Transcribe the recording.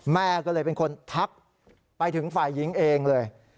แม่ก็เลยเป็นคนทักไปถึงฝ่ายหญิงเองเลย